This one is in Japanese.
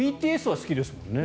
ＢＴＳは好きですよね？